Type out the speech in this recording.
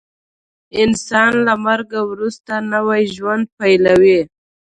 انسان له مرګ وروسته نوی ژوند پیلوي